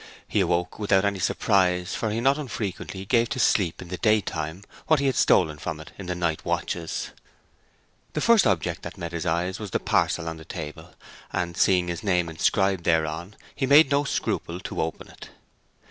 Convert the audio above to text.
He awoke without any surprise, for he not unfrequently gave to sleep in the day time what he had stolen from it in the night watches. The first object that met his eyes was the parcel on the table, and, seeing his name inscribed thereon, he made no scruple to open it.